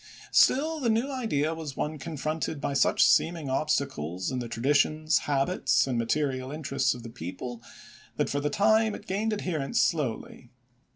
Still the new idea was one confronted by such seeming obstacles in the tradi tions, habits, and material interests of the people, that for the time it gained adherents slowly.